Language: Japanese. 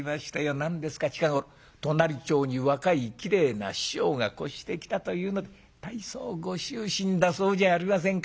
何ですか近頃隣町に若いきれいな師匠が越してきたというので大層ご執心だそうじゃありませんか。